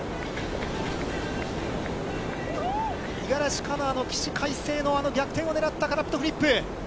五十嵐カノアの起死回生のあの逆転を狙ったフリップ。